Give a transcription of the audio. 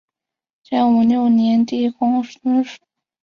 建武六年帝公孙述。